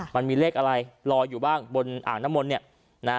มันมีเลขอะไรลอยอยู่บ้างบนอ่างน้ำมนต์เนี่ยนะฮะ